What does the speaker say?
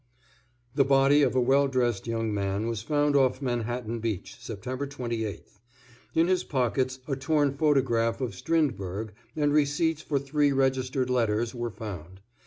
The body of a well dressed young man was found off Manhattan Beach, Sept. 28th. In his pockets a torn photograph of Strindberg and receipts for three registered letters were found.